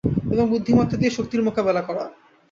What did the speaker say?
এবং বুদ্ধিমত্তা দিয়ে শক্তির মোকাবিলা করে।